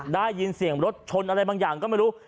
ได้ยินเสียงรถชนอะไรบางอย่างก็ไม่รู้